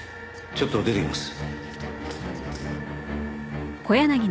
ちょっと出てきます。